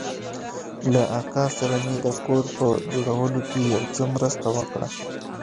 له اکا سره مې د کور په جوړولو کښې يو څه مرسته وکړه.